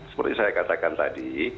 seperti saya katakan tadi